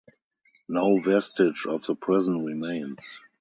No vestige of the prison remains.